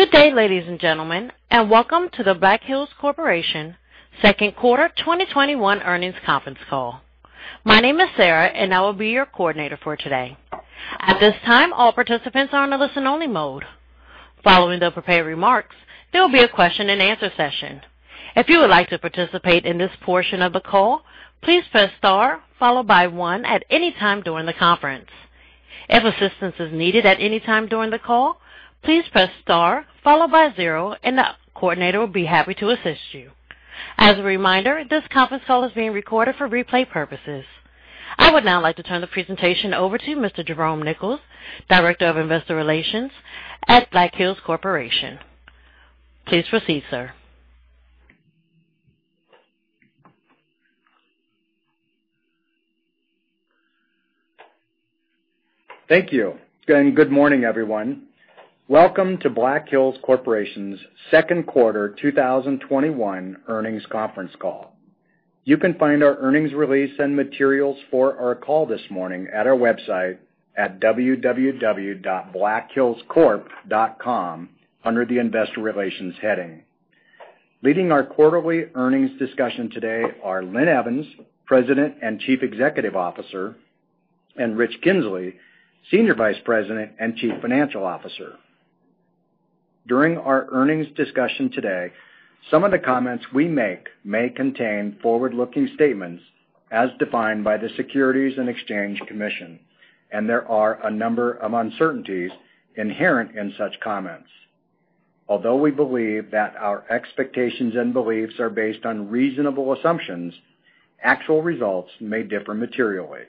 Good day, ladies and gentlemen, and welcome to the Black Hills Corporation second quarter 2021 earnings conference call. My name is Sarah and I will be your coordinator for today. At this time, all participants are on a listen only mode. Following the prepared remarks, there will be a question-and-answer session. If you would like to participate in this portion of the call, please press star followed by one at any time during the conference. If assistance is needed at any time during the call, please press star followed by zero and the coordinator will be happy to assist you. As a reminder, this conference call is being recorded for replay purposes. I would now like to turn the presentation over to Mr. Jerome Nichols, Director of Investor Relations at Black Hills Corporation. Please proceed, sir. Thank you. Good morning, everyone. Welcome to Black Hills Corporation's second quarter 2021 earnings conference call. You can find our earnings release and materials for our call this morning at our website at www.blackhillscorp.com under the investor relations heading. Leading our quarterly earnings discussion today are Linn Evans, President and Chief Executive Officer, and Richard Kinzley, Senior Vice President and Chief Financial Officer. During our earnings discussion today, some of the comments we make may contain forward-looking statements as defined by the Securities and Exchange Commission. There are a number of uncertainties inherent in such comments. Although we believe that our expectations and beliefs are based on reasonable assumptions, actual results may differ materially.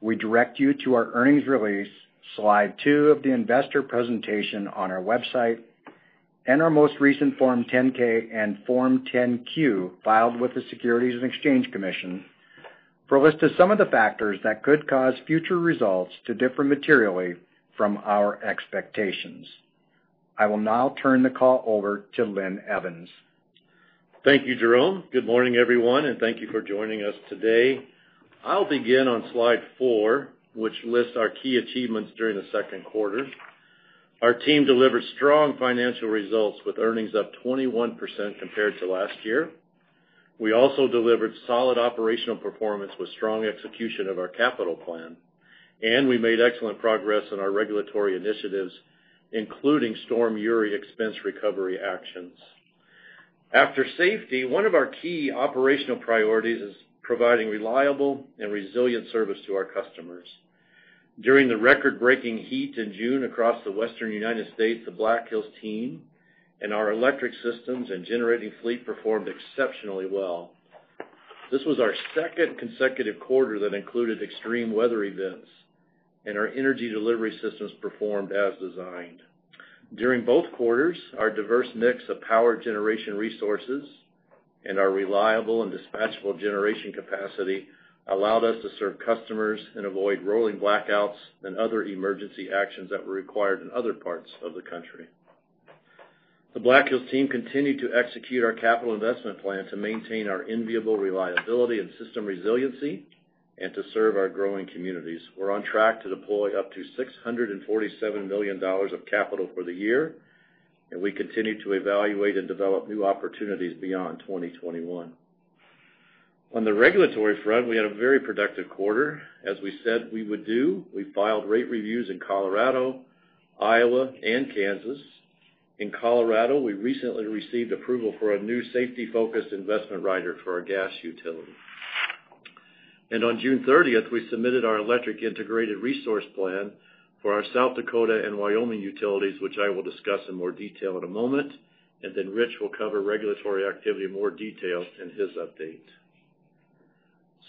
We direct you to our earnings release, slide two of the investor presentation on our website and our most recent Form 10-K and Form 10-Q filed with the Securities and Exchange Commission for a list of some of the factors that could cause future results to differ materially from our expectations. I will now turn the call over to Linn Evans. Thank you, Jerome. Good morning, everyone, and thank you for joining us today. I'll begin on slide four, which lists our key achievements during the second quarter. Our team delivered strong financial results with earnings up 21% compared to last year. We also delivered solid operational performance with strong execution of our capital plan, and we made excellent progress on our regulatory initiatives, including Storm Uri expense recovery actions. After safety, one of our key operational priorities is providing reliable and resilient service to our customers. During the record-breaking heat in June across the Western United States, the Black Hills team and our electric systems and generating fleet performed exceptionally well. This was our second consecutive quarter that included extreme weather events, and our energy delivery systems performed as designed. During both quarters, our diverse mix of power generation resources and our reliable and dispatchable generation capacity allowed us to serve customers and avoid rolling blackouts and other emergency actions that were required in other parts of the country. The Black Hills team continued to execute our capital investment plan to maintain our enviable reliability and system resiliency and to serve our growing communities. We're on track to deploy up to $647 million of capital for the year, and we continue to evaluate and develop new opportunities beyond 2021. On the regulatory front, we had a very productive quarter. As we said we would do, we filed rate reviews in Colorado, Iowa, and Kansas. In Colorado, we recently received approval for a new safety-focused investment rider for our gas utility. On June 30th, we submitted our electric Integrated Resource Plan for our South Dakota and Wyoming utilities, which I will discuss in more detail in a moment. Rich will cover regulatory activity in more detail in his update.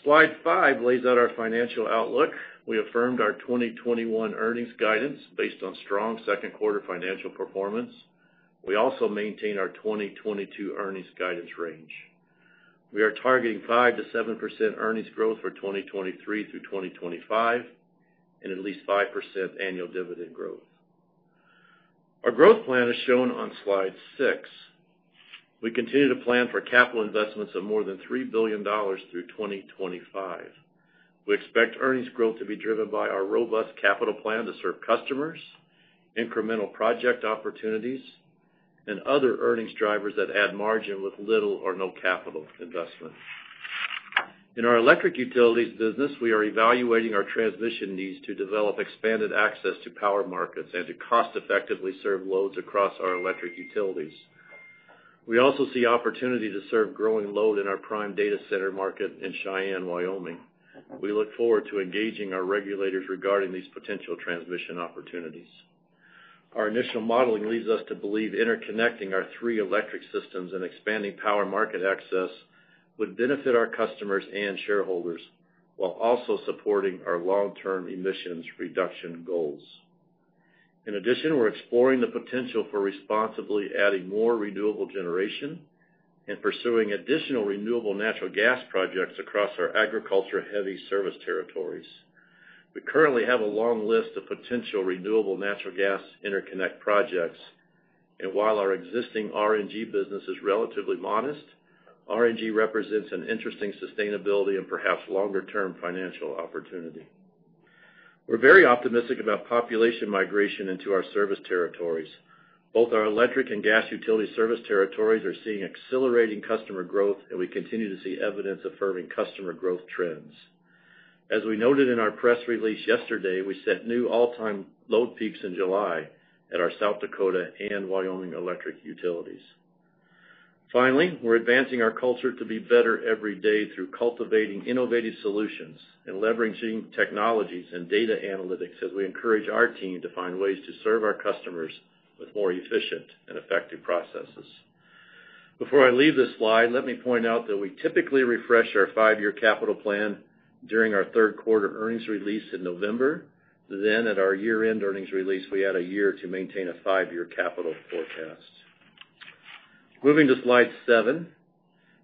Slide five lays out our financial outlook. We affirmed our 2021 earnings guidance based on strong second quarter financial performance. We also maintain our 2022 earnings guidance range. We are targeting 5%-7% earnings growth for 2023 through 2025 and at least 5% annual dividend growth. Our growth plan is shown on Slide six. We continue to plan for capital investments of more than $3 billion through 2025. We expect earnings growth to be driven by our robust capital plan to serve customers, incremental project opportunities, and other earnings drivers that add margin with little or no capital investment. In our electric utilities business, we are evaluating our transmission needs to develop expanded access to power markets and to cost effectively serve loads across our electric utilities. We also see opportunity to serve growing load in our prime data center market in Cheyenne, Wyoming. We look forward to engaging our regulators regarding these potential transmission opportunities. Our initial modeling leads us to believe interconnecting our three electric systems and expanding power market access would benefit our customers and shareholders while also supporting our long-term emissions reduction goals. In addition, we're exploring the potential for responsibly adding more renewable generation and pursuing additional renewable natural gas projects across our agriculture-heavy service territories. We currently have a long list of potential renewable natural gas interconnect projects, and while our existing RNG business is relatively modest, RNG represents an interesting sustainability and perhaps longer-term financial opportunity. We're very optimistic about population migration into our service territories. Both our electric and gas utility service territories are seeing accelerating customer growth, and we continue to see evidence affirming customer growth trends. As we noted in our press release yesterday, we set new all-time load peaks in July at our South Dakota and Wyoming electric utilities. We're advancing our culture to be better every day through cultivating innovative solutions and leveraging technologies and data analytics as we encourage our team to find ways to serve our customers with more efficient and effective processes. Before I leave this slide, let me point out that we typically refresh our five-year capital plan during our third quarter earnings release in November. At our year-end earnings release, we add a year to maintain a five-year capital forecast. Moving to slide seven.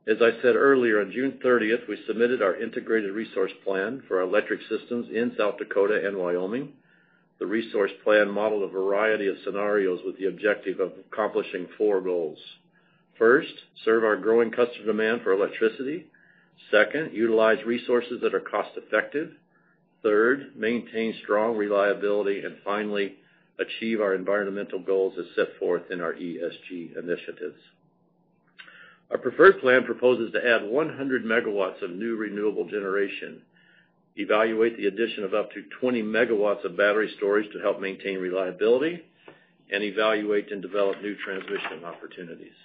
As I said earlier, on June 30th, we submitted our Integrated Resource Plan for our electric systems in South Dakota and Wyoming. The resource plan modeled a variety of scenarios with the objective of accomplishing four goals. First, serve our growing customer demand for electricity. Second, utilize resources that are cost-effective. Third, maintain strong reliability, and finally, achieve our environmental goals as set forth in our ESG initiatives. Our preferred plan proposes to add 100 MW of new renewable generation, evaluate the addition of up to 20 MW of battery storage to help maintain reliability, and evaluate and develop new transmission opportunities.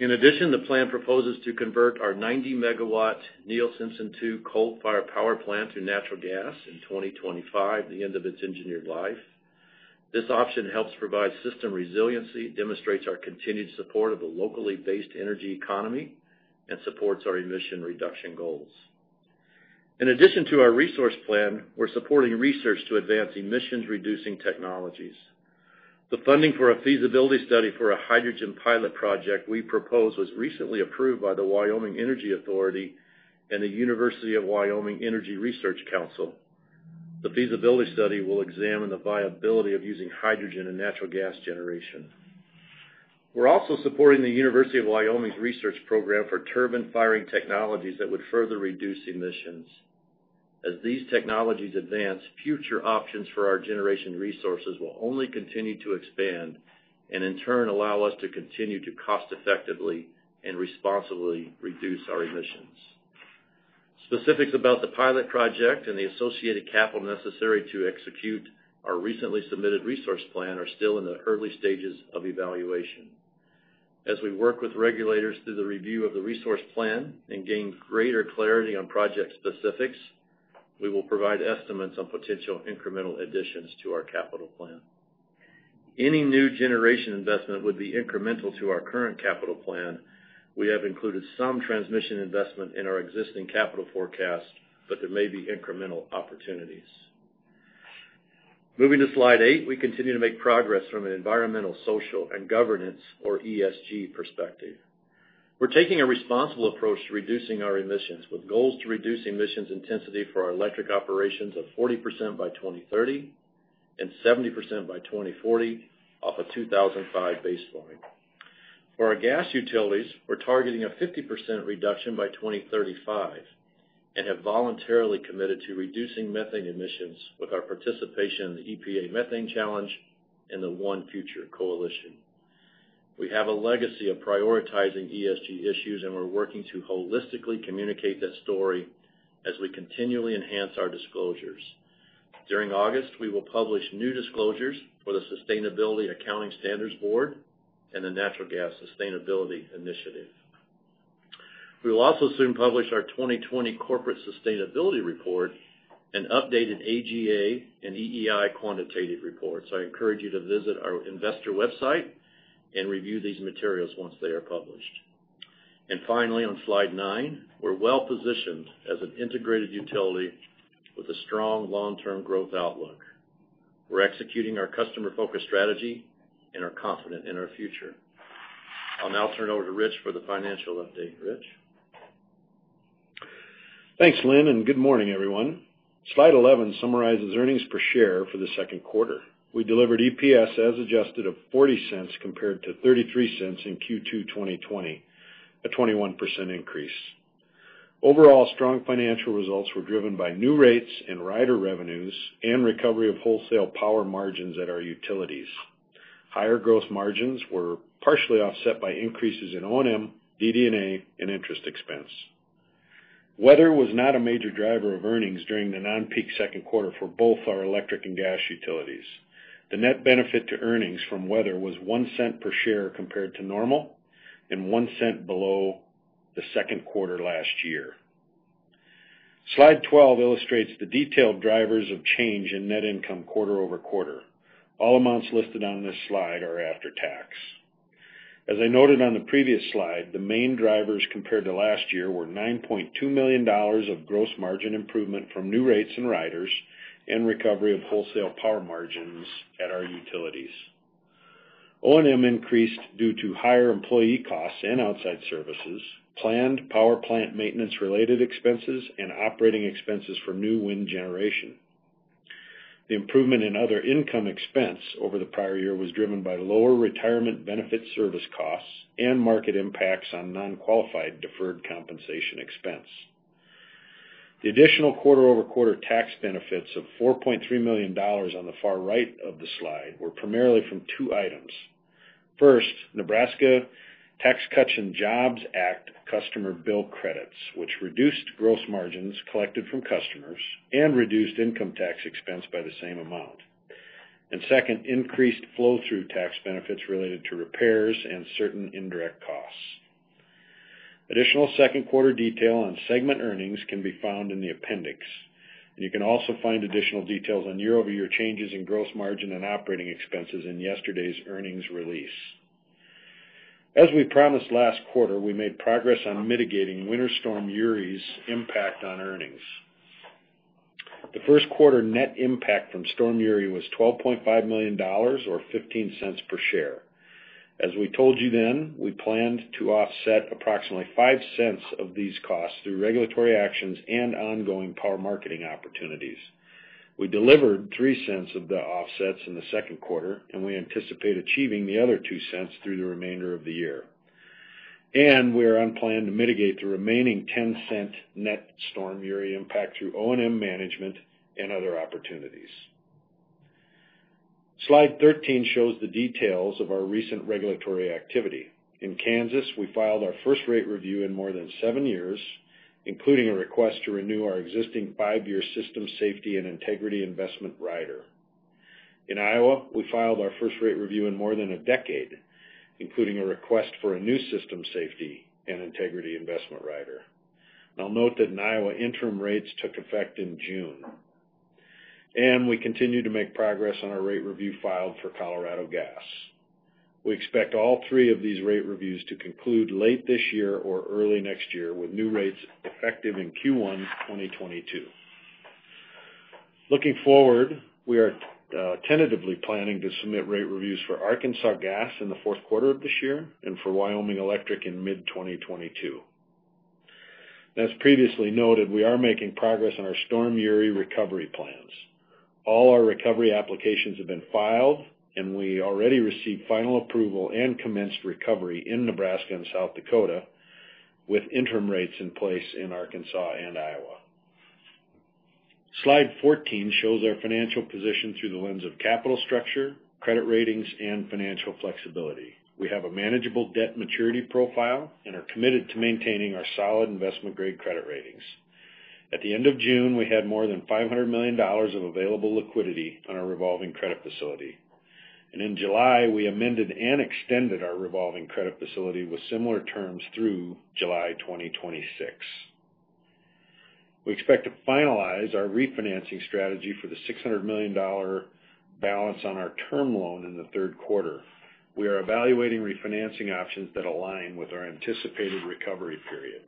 In addition, the plan proposes to convert our 90-MW Neil Simpson II coal-fired power plant to natural gas in 2025, the end of its engineered life. This option helps provide system resiliency, demonstrates our continued support of a locally-based energy economy, and supports our emission reduction goals. In addition to our resource plan, we're supporting research to advance emissions-reducing technologies. The funding for a feasibility study for a hydrogen pilot project we proposed was recently approved by the Wyoming Energy Authority and the University of Wyoming Energy Resources Council. The feasibility study will examine the viability of using hydrogen in natural gas generation. We're also supporting the University of Wyoming's research program for turbine firing technologies that would further reduce emissions. As these technologies advance, future options for our generation resources will only continue to expand and, in turn, allow us to continue to cost-effectively and responsibly reduce our emissions. Specifics about the pilot project and the associated capital necessary to execute our recently submitted resource plan are still in the early stages of evaluation. As we work with regulators through the review of the resource plan and gain greater clarity on project specifics, we will provide estimates on potential incremental additions to our capital plan. Any new generation investment would be incremental to our current capital plan. We have included some transmission investment in our existing capital forecast, but there may be incremental opportunities. Moving to slide eight. We continue to make progress from an environmental, social, and governance, or ESG, perspective. We're taking a responsible approach to reducing our emissions, with goals to reduce emissions intensity for our electric operations of 40% by 2030 and 70% by 2040 off a 2005 baseline. For our gas utilities, we're targeting a 50% reduction by 2035 and have voluntarily committed to reducing methane emissions with our participation in the Methane Challenge Program and the ONE Future Coalition. We have a legacy of prioritizing ESG issues, and we're working to holistically communicate that story as we continually enhance our disclosures. During August, we will publish new disclosures for the Sustainability Accounting Standards Board and the Natural Gas Sustainability Initiative. We will also soon publish our 2020 corporate sustainability report, an updated AGA, and EEI quantitative report. I encourage you to visit our investor website and review these materials once they are published. Finally, on slide nine, we're well-positioned as an integrated utility with a strong long-term growth outlook. We're executing our customer-focused strategy and are confident in our future. I'll now turn it over to Rich for the financial update. Rich? Thanks, Linn, and good morning, everyone. Slide 11 summarizes earnings per share for the second quarter. We delivered EPS as adjusted of $0.40 compared to $0.33 in Q2 2020, a 21% increase. Overall strong financial results were driven by new rates and rider revenues and recovery of wholesale power margins at our utilities. Higher gross margins were partially offset by increases in O&M, DD&A, and interest expense. Weather was not a major driver of earnings during the non-peak second quarter for both our electric and gas utilities. The net benefit to earnings from weather was $0.01 per share compared to normal and $0.01 below the second quarter last year. Slide 12 illustrates the detailed drivers of change in net income quarter-over-quarter. All amounts listed on this slide are after tax. As I noted on the previous slide, the main drivers compared to last year were $9.2 million of gross margin improvement from new rates and riders and recovery of wholesale power margins at our utilities. O&M increased due to higher employee costs and outside services, planned power plant maintenance-related expenses, and operating expenses for new wind generation. The improvement in other income expense over the prior year was driven by lower retirement benefit service costs and market impacts on non-qualified deferred compensation expense. The additional quarter-over-quarter tax benefits of $4.3 million on the far right of the slide were primarily from two items. First, Nebraska Tax Cuts and Jobs Act customer bill credits, which reduced gross margins collected from customers and reduced income tax expense by the same amount. Second, increased flow-through tax benefits related to repairs and certain indirect costs. Additional second quarter detail on segment earnings can be found in the appendix. You can also find additional details on year-over-year changes in gross margin and operating expenses in yesterday's earnings release. As we promised last quarter, we made progress on mitigating Winter Storm Uri's impact on earnings. The first quarter net impact from Storm Uri was $12.5 million, or $0.15 per share. As we told you then, we planned to offset approximately $0.05 of these costs through regulatory actions and ongoing power marketing opportunities. We delivered $0.03 of the offsets in the second quarter. We anticipate achieving the other $0.02 through the remainder of the year. We are on plan to mitigate the remaining $0.10 net Storm Uri impact through O&M management and other opportunities. Slide 13 shows the details of our recent regulatory activity. In Kansas, we filed our first rate review in more than seven years, including a request to renew our existing five-year system safety and integrity investment rider. In Iowa, we filed our first rate review in more than one decade, including a request for a new system safety and integrity investment rider. I'll note that in Iowa, interim rates took effect in June. We continue to make progress on our rate review filed for Colorado Gas. We expect all three of these rate reviews to conclude late this year or early next year, with new rates effective in Q1 2022. Looking forward, we are tentatively planning to submit rate reviews for Arkansas Gas in the fourth quarter of this year and for Wyoming Electric in mid-2022. As previously noted, we are making progress on our Storm Uri recovery plans. All our recovery applications have been filed, we already received final approval and commenced recovery in Nebraska and South Dakota, with interim rates in place in Arkansas and Iowa. Slide 14 shows our financial position through the lens of capital structure, credit ratings, and financial flexibility. We have a manageable debt maturity profile and are committed to maintaining our solid investment-grade credit ratings. At the end of June, we had more than $500 million of available liquidity on our revolving credit facility. In July, we amended and extended our revolving credit facility with similar terms through July 2026. We expect to finalize our refinancing strategy for the $600 million balance on our term loan in the third quarter. We are evaluating refinancing options that align with our anticipated recovery period.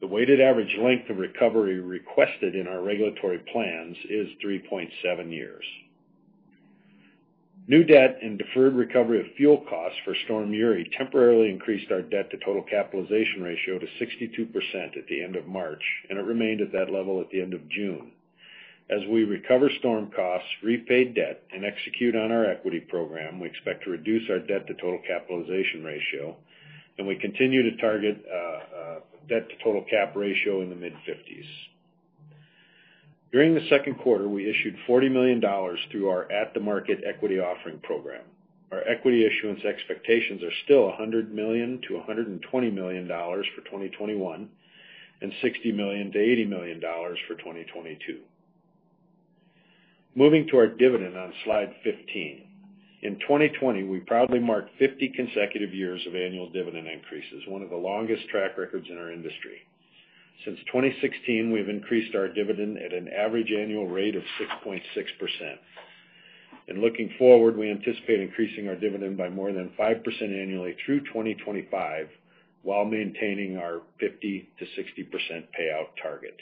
The weighted average length of recovery requested in our regulatory plans is 3.7 years. New debt and deferred recovery of fuel costs for Winter Storm Uri temporarily increased our debt-to-total capitalization ratio to 62% at the end of March, and it remained at that level at the end of June. As we recover storm costs, repay debt, and execute on our equity program, we expect to reduce our debt-to-total capitalization ratio, and we continue to target a debt-to-total cap ratio in the mid-50s. During the second quarter, we issued $40 million through our at-the-market equity offering program. Our equity issuance expectations are still $100-120 million for 2021 and $60-80 million for 2022. Moving to our dividend on slide 15. In 2020, we proudly marked 50 consecutive years of annual dividend increases, one of the longest track records in our industry. Since 2016, we've increased our dividend at an average annual rate of 6.6%. Looking forward, we anticipate increasing our dividend by more than 5% annually through 2025 while maintaining our 50%-60% payout target.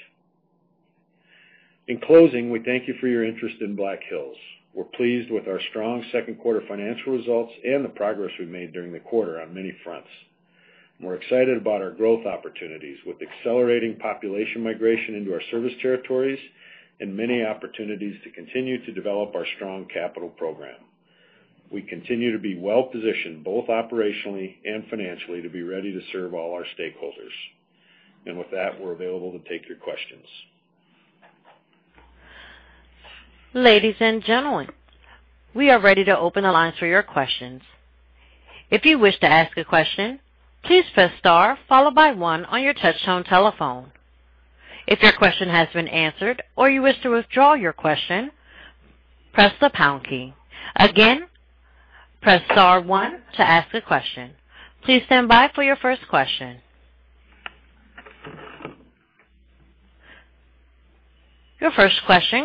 In closing, we thank you for your interest in Black Hills. We're pleased with our strong second quarter financial results and the progress we've made during the quarter on many fronts. We're excited about our growth opportunities with accelerating population migration into our service territories and many opportunities to continue to develop our strong capital program. We continue to be well-positioned, both operationally and financially, to be ready to serve all our stakeholders. With that, we're available to take your questions. Your first question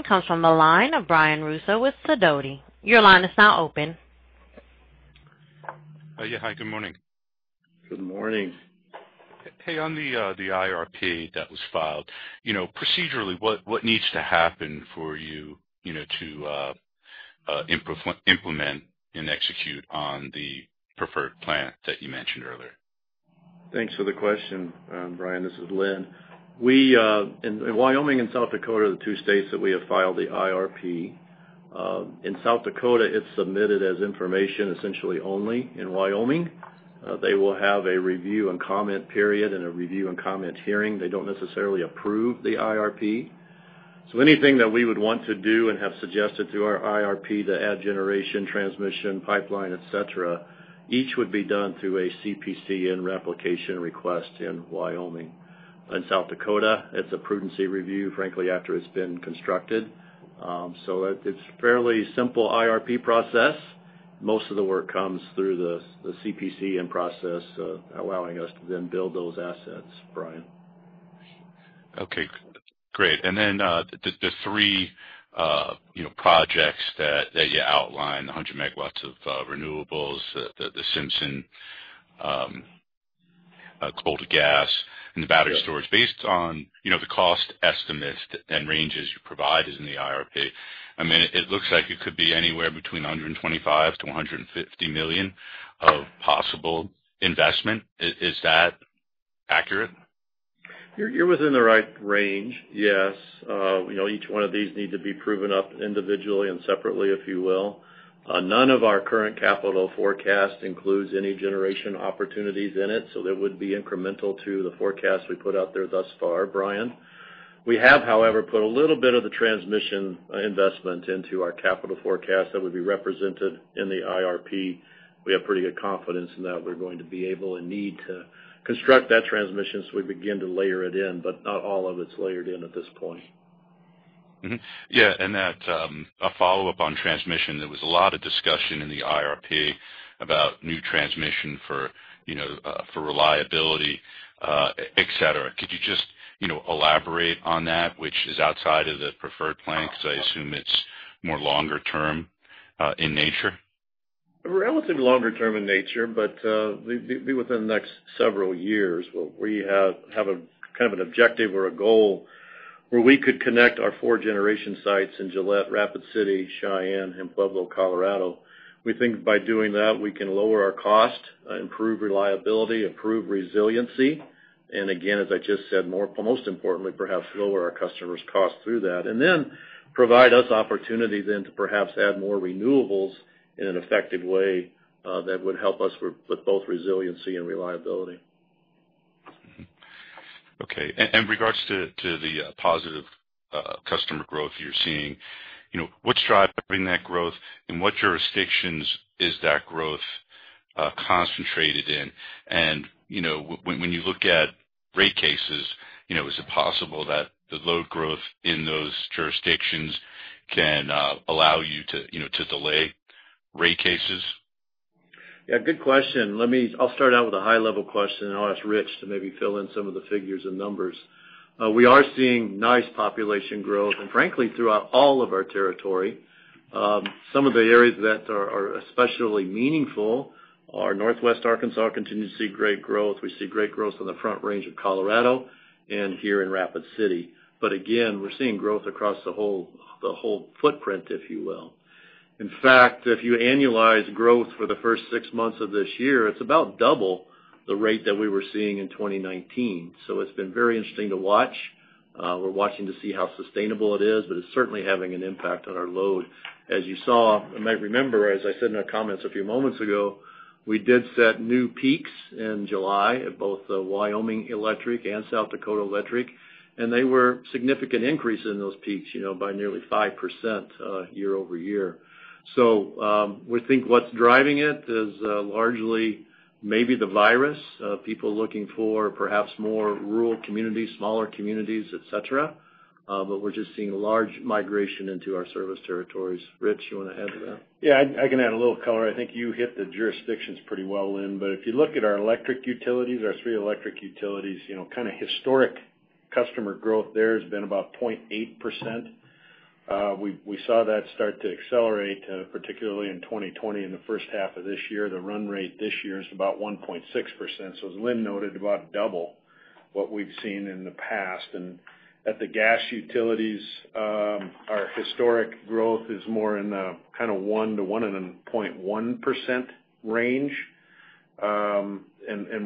comes from the line of Brian Russo with Sidoti. Yeah. Hi, good morning. Good morning. Hey, on the IRP that was filed, procedurally, what needs to happen for you to implement and execute on the preferred plan that you mentioned earlier? Thanks for the question, Brian. This is Linn. Wyoming and South Dakota are the two states that we have filed the IRP. In South Dakota, it's submitted as information essentially only. In Wyoming, they will have a review and comment period and a review and comment hearing. They don't necessarily approve the IRP. Anything that we would want to do and have suggested through our IRP to add generation, transmission, pipeline, et cetera, each would be done through a CPCN application request in Wyoming. In South Dakota, it's a prudency review, frankly, after it's been constructed. It's fairly simple IRP process. Most of the work comes through the CPCN process, allowing us to then build those assets, Brian. Okay, great. The three projects that you outlined, 100 MW of renewables, the Simpson coal to gas, and the battery storage. Based on the cost estimates and ranges you provided in the IRP, it looks like it could be anywhere between $125-150 million of possible investment. Is that accurate? You're within the right range, yes. Each one of these need to be proven up individually and separately, if you will. None of our current capital forecast includes any generation opportunities in it, so that would be incremental to the forecast we put out there thus far, Brian. We have, however, put a little bit of the transmission investment into our capital forecast that would be represented in the IRP. We have pretty good confidence in that we're going to be able and need to construct that transmission so we begin to layer it in, but not all of it's layered in at this point. Yeah, a follow-up on transmission. There was a lot of discussion in the IRP about new transmission for reliability, et cetera. Could you just elaborate on that, which is outside of the preferred plan? I assume it's more longer term in nature. Relatively longer term in nature, but be within the next several years, where we have kind of an objective or a goal where we could connect our four generation sites in Gillette, Rapid City, Cheyenne, and Pueblo, Colorado. We think by doing that, we can lower our cost, improve reliability, improve resiliency, and again, as I just said, most importantly, perhaps lower our customers' costs through that. Then provide us opportunities then to perhaps add more renewables in an effective way that would help us with both resiliency and reliability. Okay. In regards to the positive customer growth you're seeing, what's driving that growth? In what jurisdictions is that growth concentrated in? When you look at rate cases, is it possible that the load growth in those jurisdictions can allow you to delay rate cases? Yeah, good question. I'll start out with a high-level question, I'll ask Rich to maybe fill in some of the figures and numbers. We are seeing nice population growth, frankly, throughout all of our territory. Some of the areas that are especially meaningful are Northwest Arkansas continue to see great growth. We see great growth on the Front Range of Colorado and here in Rapid City. Again, we're seeing growth across the whole footprint, if you will. In fact, if you annualize growth for the first six months of this year, it's about double the rate that we were seeing in 2019. It's been very interesting to watch. We're watching to see how sustainable it is, but it's certainly having an impact on our load. As you saw, you might remember, as I said in our comments a few moments ago, we did set new peaks in July at both the Wyoming Electric and South Dakota Electric, and they were significant increase in those peaks by nearly 5% year-over-year. We think what's driving it is largely maybe the virus, people looking for perhaps more rural communities, smaller communities, et cetera. We're just seeing a large migration into our service territories. Rich, you want to add to that? Yeah, I can add a little color. I think you hit the jurisdictions pretty well, Linn. If you look at our electric utilities, our three electric utilities, kind of historic customer growth there has been about 0.8%. We saw that start to accelerate, particularly in 2020 and the first half of this year. The run rate this year is about 1.6%, as Linn noted, about double what we've seen in the past. At the gas utilities, our historic growth is more in the kind of 1% to 1.1% range.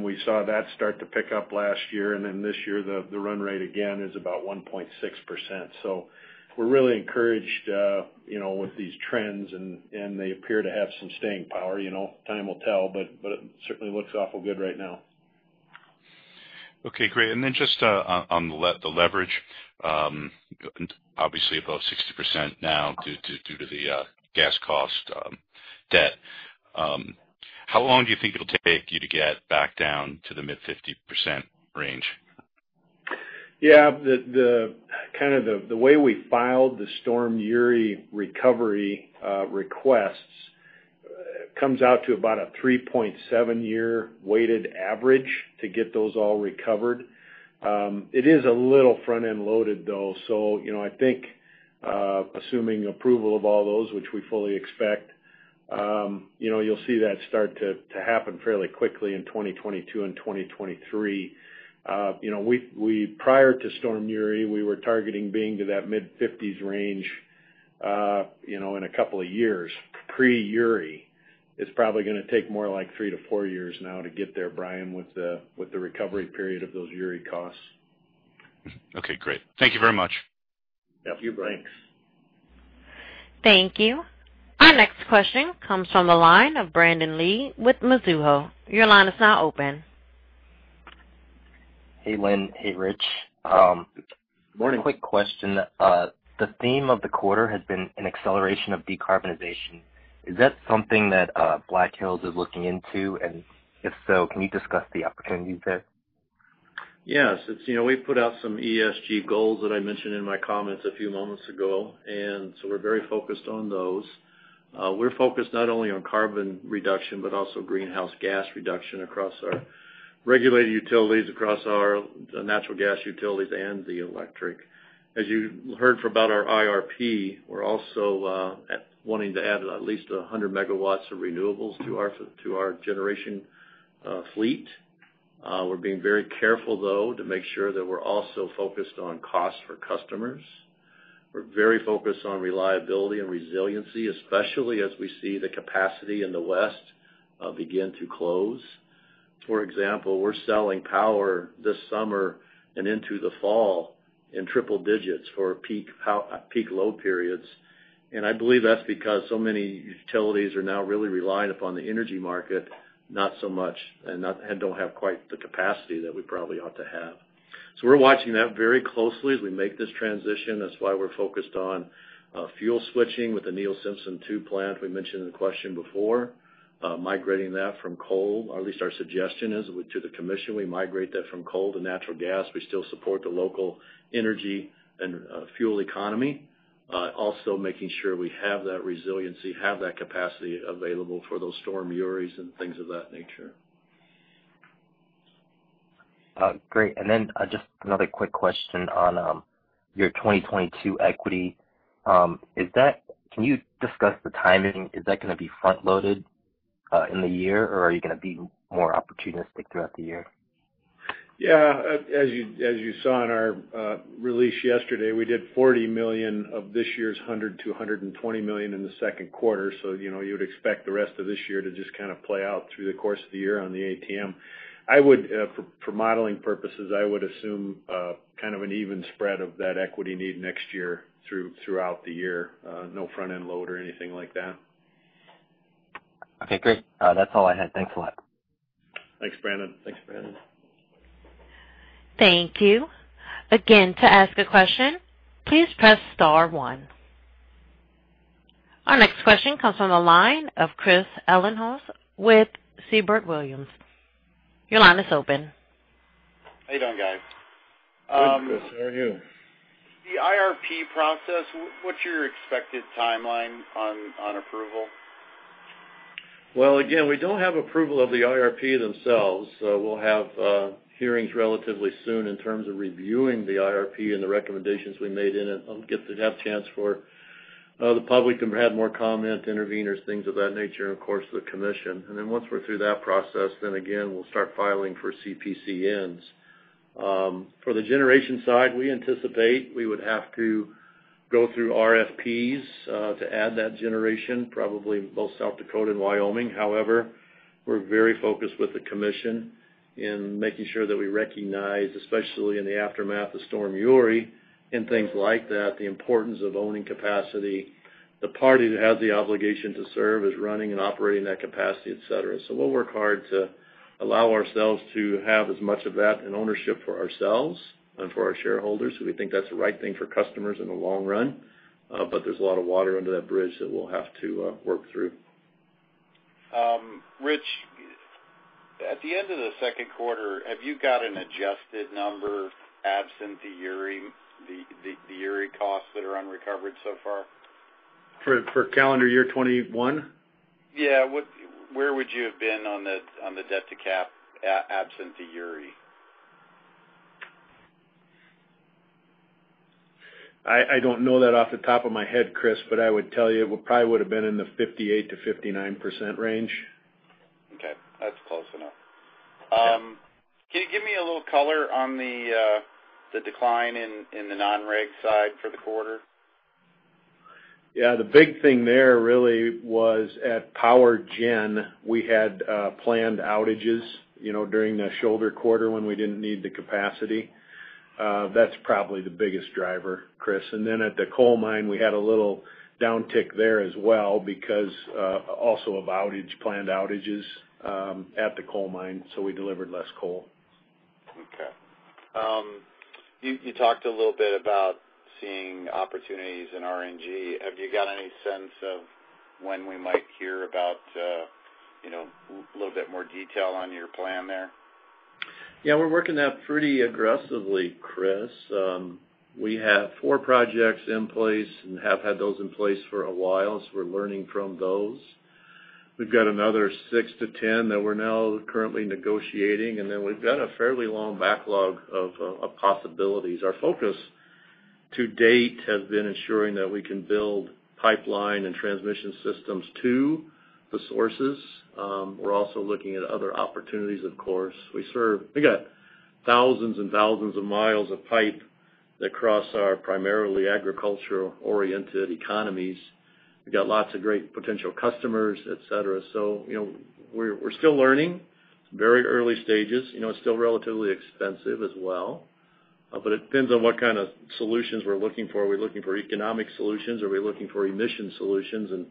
We saw that start to pick up last year. This year, the run rate again is about 1.6%. We're really encouraged with these trends, and they appear to have some staying power. Time will tell, it certainly looks awful good right now. Okay, great. Just on the leverage, obviously above 60% now due to the gas cost debt. How long do you think it'll take you to get back down to the mid-50% range? Yeah. The way we filed the Winter Storm Uri recovery requests comes out to about a 3.7 year weighted average to get those all recovered. It is a little front-end loaded, though, so I think assuming approval of all those, which we fully expect. You'll see that start to happen fairly quickly in 2022 and 2023. Prior to Winter Storm Uri, we were targeting being to that mid-50s range in two years, pre-Uri. It's probably going to take more like three to four years now to get there, Brian, with the recovery period of those Uri costs. Okay, great. Thank you very much. Yeah. You bet. Thank you. Our next question comes from the line of Brandon Lee with Mizuho. Your line is now open. Hey, Linn. Hey, Richard. Morning. One quick question. The theme of the quarter has been an acceleration of decarbonization. Is that something that Black Hills is looking into? If so, can you discuss the opportunities there? Yes. We've put out some ESG goals that I mentioned in my comments a few moments ago, and so we're very focused on those. We're focused not only on carbon reduction, but also greenhouse gas reduction across our regulated utilities, across our natural gas utilities, and the electric. As you heard about our IRP, we're also wanting to add at least 100 MW of renewables to our generation fleet. We're being very careful, though, to make sure that we're also focused on cost for customers. We're very focused on reliability and resiliency, especially as we see the capacity in the West begin to close. For example, we're selling power this summer and into the fall in triple digits for peak load periods. I believe that's because so many utilities are now really reliant upon the energy market, and don't have quite the capacity that we probably ought to have. We're watching that very closely as we make this transition. That's why we're focused on fuel switching with the Neil Simpson II plant we mentioned in the question before. Migrating that from coal, or at least our suggestion is to the commission we migrate that from coal to natural gas. We still support the local energy and fuel economy. Also making sure we have that resiliency, have that capacity available for those Storm Uris and things of that nature. Great. Just another quick question on your 2022 equity. Can you discuss the timing? Is that going to be front-loaded in the year, or are you going to be more opportunistic throughout the year? Yeah. As you saw in our release yesterday, we did $40 million of this year's $100-120 million in the second quarter. You'd expect the rest of this year to just kind of play out through the course of the year on the ATM. For modeling purposes, I would assume kind of an even spread of that equity need next year throughout the year. No front-end load or anything like that. Okay, great. That's all I had. Thanks a lot. Thanks, Brandon. Thank you. To ask a question, please press star one. Our next question comes from the line of Christopher Ellinghaus with Siebert Williams. Your line is open. How are you doing, guys? Good, Chris. How are you? The IRP process, what's your expected timeline on approval? Well, again, we don't have approval of the IRP themselves. We'll have hearings relatively soon in terms of reviewing the IRP and the recommendations we made in it. We get to have chance for the public can have more comment, interveners, things of that nature, and of course, the commission. Once we're through that process, then again, we'll start filing for CPCNs. For the generation side, we anticipate we would have to go through RFPs to add that generation, probably both South Dakota and Wyoming. However, we're very focused with the commission in making sure that we recognize, especially in the aftermath of Storm Uri and things like that, the importance of owning capacity. The party that has the obligation to serve is running and operating that capacity, et cetera. We'll work hard to allow ourselves to have as much of that in ownership for ourselves and for our shareholders. We think that's the right thing for customers in the long run. There's a lot of water under that bridge that we'll have to work through. Rich, at the end of the second quarter, have you got an adjusted number absent the Uri costs that are unrecovered so far? For calendar year 2021? Yeah. Where would you have been on the debt to cap, absent the Uri? I don't know that off the top of my head, Chris, but I would tell you it probably would've been in the 58%-59% range. Okay. That's close enough. Yeah. Can you give me a little color on the decline in the non-reg side for the quarter? Yeah. The big thing there really was at Power Gen, we had planned outages during the shoulder quarter when we didn't need the capacity. That's probably the biggest driver, Christopher. At the coal mine, we had a little downtick there as well because also of planned outages at the coal mine, so we delivered less coal. Okay. You talked a little bit about seeing opportunities in RNG. Have you got any sense of when we might hear about a little bit more detail on your plan there? We're working that pretty aggressively, Chris. We have four projects in place and have had those in place for a while, so we're learning from those. We've got another six to 10 that we're now currently negotiating, and then we've got a fairly long backlog of possibilities. Our focus to date has been ensuring that we can build pipeline and transmission systems to the sources. We're also looking at other opportunities, of course. We got thousands and thousands of miles of pipe that cross our primarily agricultural-oriented economies. We've got lots of great potential customers, et cetera. We're still learning. It's very early stages. It's still relatively expensive as well. It depends on what kind of solutions we're looking for. Are we looking for economic solutions? Are we looking for emission solutions?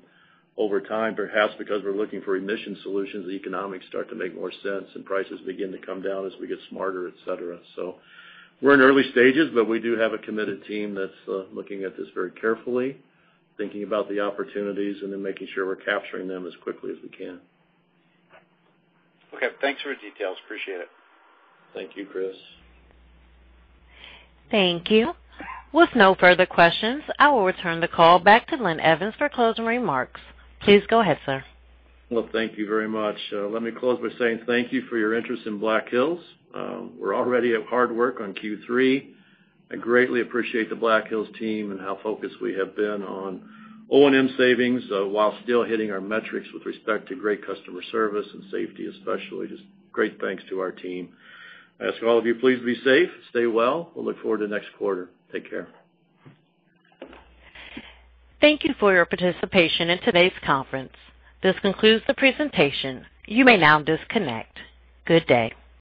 Over time, perhaps because we're looking for emission solutions, the economics start to make more sense and prices begin to come down as we get smarter, et cetera. We're in early stages, but we do have a committed team that's looking at this very carefully, thinking about the opportunities, and then making sure we're capturing them as quickly as we can. Okay. Thanks for the details. Appreciate it. Thank you, Chris. Thank you. With no further questions, I will return the call back to Linn Evans for closing remarks. Please go ahead, sir. Well, thank you very much. Let me close by saying thank you for your interest in Black Hills. We're already at hard work on Q3. I greatly appreciate the Black Hills team and how focused we have been on O&M savings while still hitting our metrics with respect to great customer service and safety especially. Just great thanks to our team. I ask all of you, please be safe, stay well. We'll look forward to next quarter. Take care. Thank you for your participation in today's conference. This concludes the presentation. You may now disconnect. Good day.